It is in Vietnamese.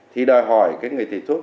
thì đòi hỏi người thầy thuốc